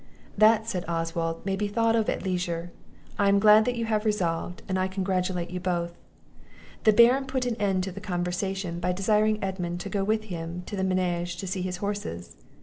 "That," said Oswald, "may be thought of at leisure; I am glad that you have resolved, and I congratulate you both." The Baron put an end to the conversation by desiring Edmund to go with him into the menage to see his horses.